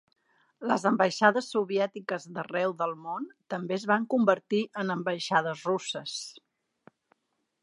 Les ambaixades soviètiques d'arreu del món també es van convertir en ambaixades russes.